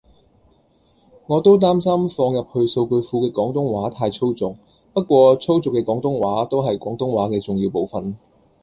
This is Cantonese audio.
我都擔心放入去數據庫嘅廣東話太粗俗，不過粗俗嘅廣東話都係廣東話嘅重要部份